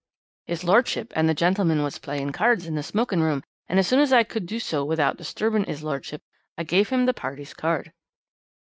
His lordship and the gentlemen was playin' cards in the smoking room, and as soon as I could do so without disturbing 'is lordship, I give him the party's card.'